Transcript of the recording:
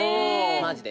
マジで。